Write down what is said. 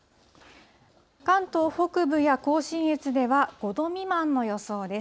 関東北部や甲信越では５度未満の予想です。